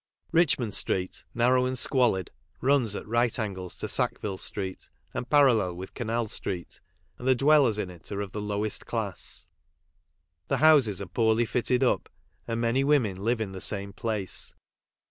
. Richmond street, narrow and squalid, runs at right angles to Sackville street and parallel with Canal street, and the dwellers in it are of the lowest class. The houses are poorly fitted up, and many women live in the same place.